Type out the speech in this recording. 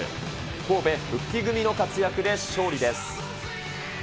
神戸、復帰組の活躍で勝利です。